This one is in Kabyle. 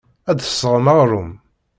Ad d-tesɣem aɣrum.